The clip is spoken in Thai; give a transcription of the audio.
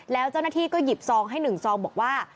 แล้วเจ้าหน้าที่ก็หยิบซองให้๑ซองบอกว่า